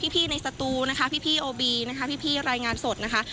พี่ในสตูนะคะพี่โอบีนะคะพี่รายงานสดนะคะ